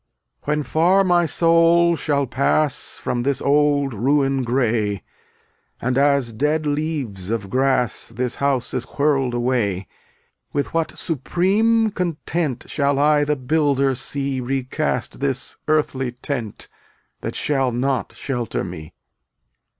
250 When far my soul shall pass From this bid ruin gray, And as dead leaves of grass This house is whirled away, With what supreme content Shall I the Builder see Recast this earthly tent — That shall not shelter me.